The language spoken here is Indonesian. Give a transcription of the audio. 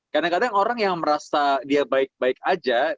kadang kadang orang yang merasa dia baik baik aja